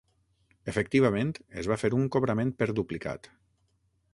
Efectivament, es va fer un cobrament per duplicat.